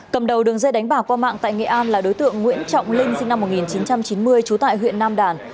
cầm đầu đường dây đánh bạc qua mạng tại nghệ an là đối tượng nguyễn trọng linh sinh năm một nghìn chín trăm chín mươi trú tại huyện nam đàn